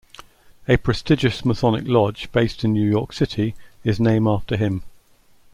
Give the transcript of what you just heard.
A prestigious masonic lodge, based in New York City, is name after him.